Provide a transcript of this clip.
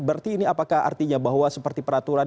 berarti ini apakah artinya bahwa seperti peraturan